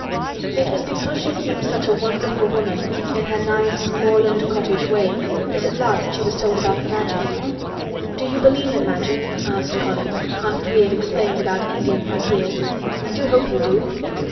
It was because she seemed such a wonderful woman in her nice moorland cottage way that at last she was told about the Magic. "Do you believe in Magic?" asked Colin after he had explained about Indian fakirs. "I do hope you do."